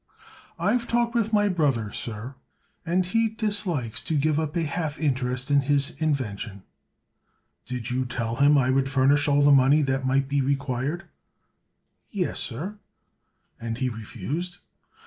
"I've talked with my brother, sir, and he dislikes to give up a half interest in his invention." "Did you tell him I would furnish all the money that might be required?" "Yes, sir." "And he refused?"